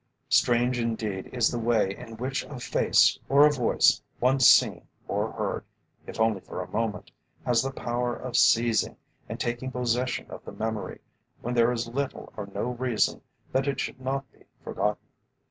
Strange indeed is the way in which a face or a voice once seen or heard, if only for a moment, has the power of seizing and taking possession of the memory, when there is little or no reason that it should not be forgotten.